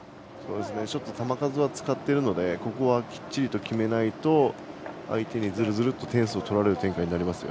ちょっと球数は使っているのでここはきっちりと決めないと相手にずるずるっと点数を取られる展開になりますよ。